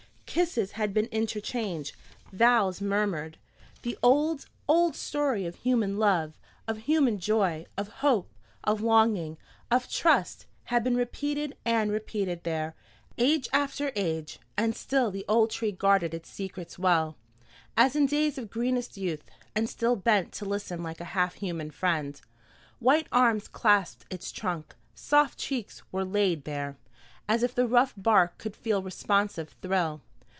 Kisses had been interchanged, vows murmured, the old, old story of human love, of human joy, of hope, of longing, of trust, had been repeated and repeated there, age after age, and still the old tree guarded its secrets well, as in days of greenest youth, and still bent to listen like a half human friend. White arms clasped its trunk, soft cheeks were laid there, as if the rough bark could feel responsive thrill.